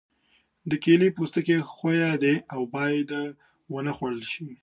د کیلې پوستکی ښوی دی او باید ونه خوړل شي.